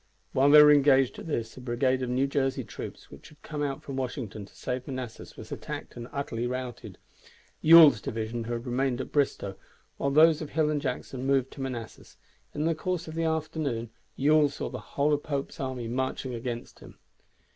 While they were engaged at this a brigade of New Jersey troops which had come out from Washington to save Manassas was attacked and utterly routed. Ewell's division had remained at Bristoe, while those of Hill and Jackson moved to Manassas, and in the course of the afternoon Ewell saw the whole of Pope's army marching against him.